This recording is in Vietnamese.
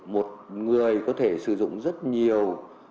một người có thể sử dụng rất nhiều